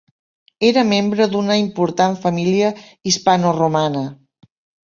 Era membre d'una important família hispanoromana.